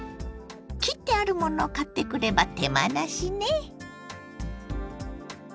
切ってあるものを買ってくれば手間なしね。